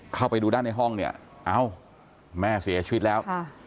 เข้าไปดูด้านในห้องเนี่ยเอ้าแม่เสียชีวิตแล้ว